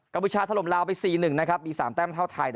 กัมพูชาทะลมราวไป๔๑นะครับดี๓แปมเท่าไทย